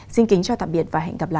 xin kính chào tạm biệt và hẹn gặp lại